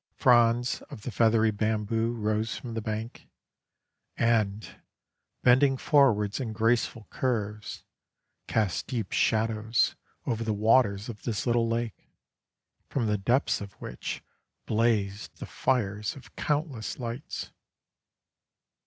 Fronds of the feathery bamboo rose from the bank, and, bending forwards in graceful curves, cast deep shadows over the waters of this little lake, from the depths of which blazed the fires of countless lights.